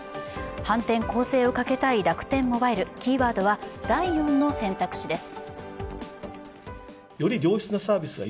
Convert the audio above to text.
反転攻勢をかけたい楽天モバイル、キーワードは第４の選択肢です。